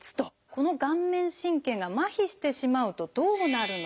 この顔面神経が麻痺してしまうとどうなるのか。